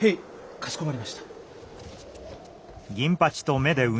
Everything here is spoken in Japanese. かしこまりました。